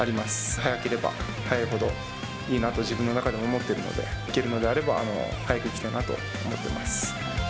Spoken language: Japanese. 早ければ早いほどいいなと、自分の中では思っているので、行けるのであれば、早く行きたいなと思ってます。